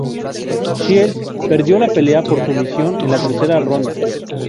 Shields perdió la pelea por sumisión en la tercera ronda.